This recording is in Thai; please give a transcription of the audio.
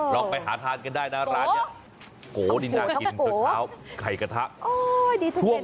เราไปหาทานกันได้นะร้านเนี้ยโกะโกะต้องโกะไข่กระทะโอ้ยดีทุก